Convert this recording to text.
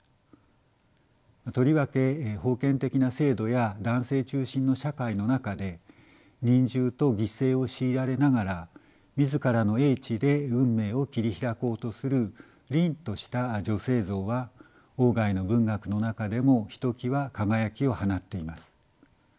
とりわけ封建的な制度や男性中心の社会の中で忍従と犠牲を強いられながら自らの英知で運命を切り開こうとする凜とした女性像は外の文学の中でもひときわ輝きを放っています。